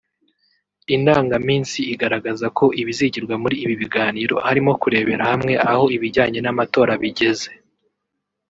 Indangaminsi igaragaza ko ibizigirwa muri ibi biganiro harimo kurebera hamwe aho ibijyanye n’amatora bigeze